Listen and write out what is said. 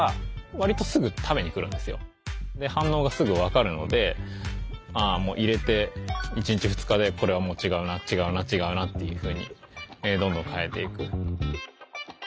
で反応がすぐ分かるので入れて１日２日でこれはもう違うな違うな違うなっていうふうにどんどん変えていく。